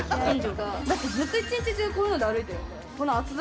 だってずっと一日中こういうので歩いてるんだよ。